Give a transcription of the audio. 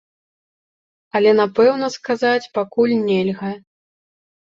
Але напэўна сказаць пакуль нельга.